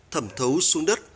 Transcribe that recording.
thẩm thấu xuống đất